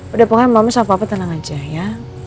udah pokoknya mama sama papa tenang aja ya